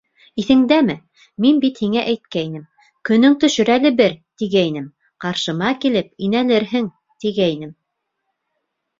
Иҫеңдәме, мин бит һиңә әйткәйнем: көнөң төшөр әле бер, тигәйнем, ҡаршыма килеп инәлерһең, тигәйнем!